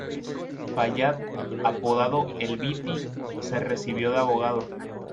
Fayad apodado El Viti, se recibió de abogado.